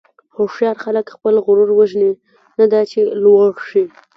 هوښیار خلک خپل غرور وژني، نه دا چې لوړ شي.